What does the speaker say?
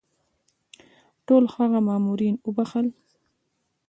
ټول هغه مامورین وبخښل.